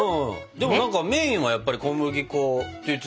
でも何かメインはやっぱり小麦粉って言ってたもんね。